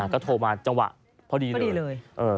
ก็โทรมาจังหวะพอดีเลย